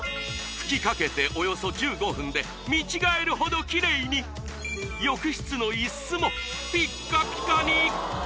吹きかけておよそ１５分で見違えるほどキレイに浴室の椅子もピッカピカに！